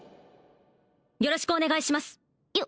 よろしくお願いしますよ